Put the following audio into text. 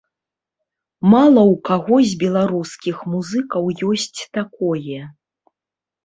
Мала ў каго з беларускіх музыкаў ёсць такое.